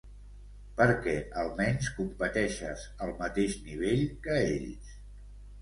Perquè almenys competeixes al mateix nivell que ells.